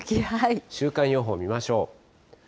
週間予報見ましょう。